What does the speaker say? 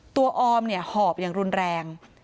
ตัวออมหอบอย่างรุนแรง